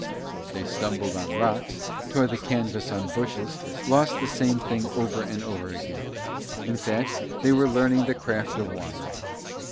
They stumbled on rocks, tore the canvas on bushes, lost the same thing over and over again; in fact they were learning the craft of wandering.